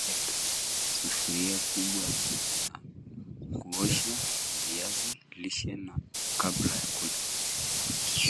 sufuria kubwa la kuoshea viazi lishe kabla ya kula